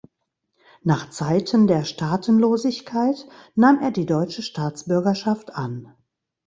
Nach Zeiten der Staatenlosigkeit nahm er die deutsche Staatsbürgerschaft an.